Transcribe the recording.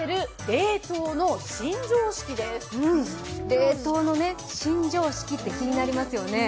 冷凍の新常識って、気になりますよね。